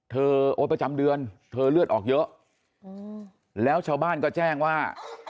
โอ๊ยประจำเดือนเธอเลือดออกเยอะแล้วชาวบ้านก็แจ้งว่า